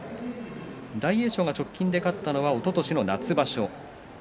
大栄翔が直近で勝ったのはおととしの夏場所。